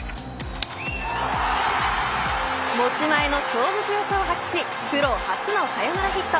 持ち前の勝負強さを発揮しプロ初のサヨナラヒット。